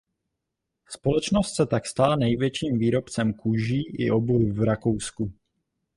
Společnost se tak stala největším výrobcem kůží i obuvi v Rakousku.